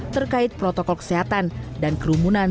terkait protokol kesehatan dan kerumunan